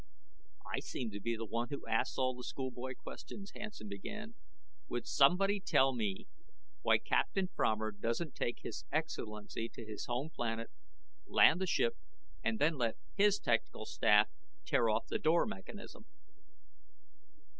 "I seem to be the one who asks all the schoolboy questions," Hansen began, "would somebody tell me why Captain Fromer doesn't take His Excellency to his home planet, land the ship, and then let his technical staff tear off the door mechanism?"